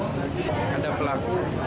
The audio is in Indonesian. ada pelaku ada operasi